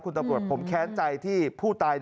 คุณตำรวจผมแค้นใจที่ผู้ตาย